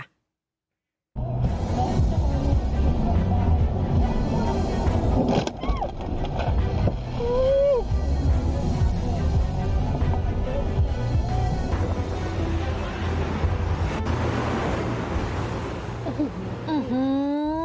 อูหู